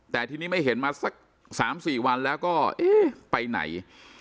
แต่ทีนี้ไม่เห็นมาสัก๓๔วันแล้วก็เอ๊ะไปไหน